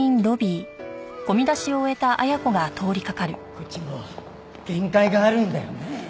こっちも限界があるんだよね。